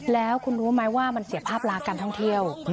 แล้วคุณรู้ไหมว่ามันเสียภาพลักษณ์การท่องเที่ยว